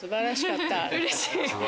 うれしい！